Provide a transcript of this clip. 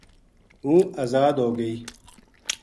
ہوں ازاد ہو گئی